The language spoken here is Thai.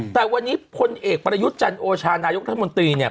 แต่พลเอกประยุทธ์จันโอชานายกรัฐมนตรี